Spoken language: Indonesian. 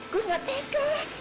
gue gak tegel lah